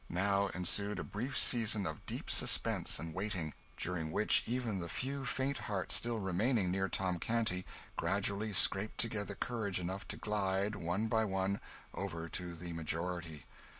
Now ensued a brief season of deep suspense and waiting during which even the few faint hearts still remaining near Tom Canty gradually scraped together courage enough to glide, one by one, over to the majority.